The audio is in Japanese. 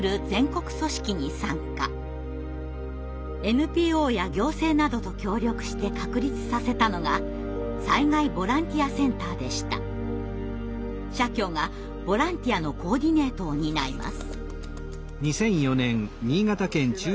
ＮＰＯや行政などと協力して確立させたのが社協がボランティアのコーディネートを担います。